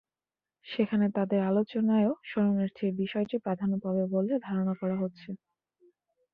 সেখানে তাঁদের আলোচনায়ও শরণার্থীর বিষয়টি প্রাধান্য পাবে বলে ধারণা করা হচ্ছে।